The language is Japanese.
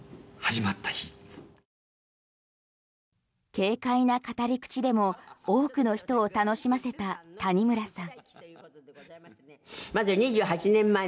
軽快な語り口でも多くの人を楽しませた谷村さん。